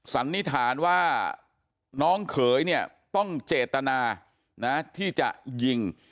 สันนิษฐานว่าน้องเขยเนี่ยต้องเจตนานะที่จะยิง